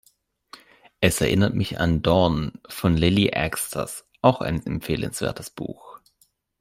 Es erinnert mich an "Dorn" von Lilly Axster, auch ein empfehlenswertes Buch.